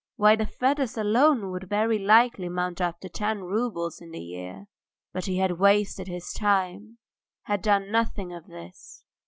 Why, the feathers alone would very likely mount up to ten roubles in the year. But he had wasted his time, he had done nothing of this.